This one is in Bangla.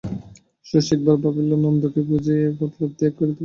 শশী একবার ভাবিল, নন্দকে বুঝাইয়া এ মতলব ত্যাগ করিতে বলে।